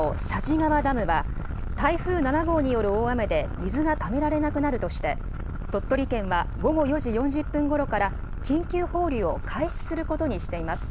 がわダムは、台風７号による大雨で、水がためられなくなるとして、鳥取は午後４時４０分ごろから、緊急放流を開始することにしています。